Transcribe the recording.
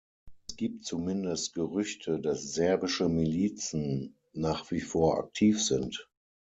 Es gibt zumindest Gerüchte, dass serbische Milizen nach wie vor aktiv sind.